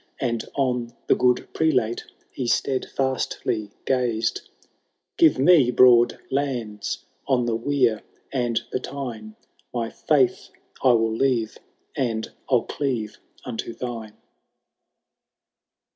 And on the good prelate he steadfastly gazed ;Give me broad lands on the Wear and the Tyne, My faith I will leave, and 111 cleave unto thine.